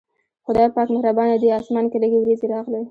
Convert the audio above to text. خدای پاک مهربانه دی، اسمان کې لږې وريځې راغلې.